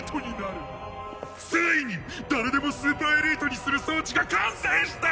ついに誰でもスーパーエリートにする装置が完成した！